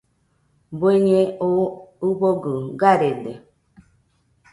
Bueñe oo ɨfogɨ garede.